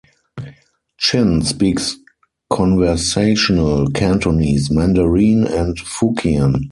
Chin speaks conversational Cantonese, Mandarin and Fukien.